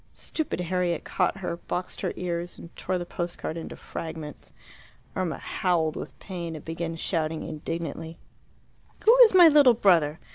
Stupid Harriet caught her, boxed her ears, and tore the post card into fragments. Irma howled with pain, and began shouting indignantly, "Who is my little brother?